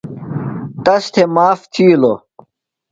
تس تھےۡ معاف تھِیلوۡ۔